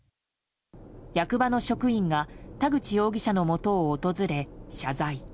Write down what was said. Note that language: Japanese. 役場の職員が田口容疑者のもとを訪れ、謝罪。